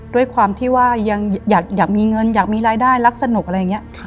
ด้วยความที่ว่ายังอยากมีเงินอยากมีรายได้รักสนุกอะไรอย่างนี้